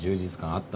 あった。